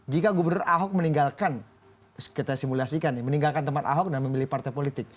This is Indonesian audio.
jika gubernur ahok meninggalkan kita simulasikan nih meninggalkan teman ahok dan memilih partai politik